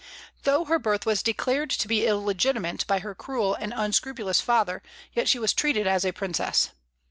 Though her birth was declared to be illegitimate by her cruel and unscrupulous father, yet she was treated as a princess.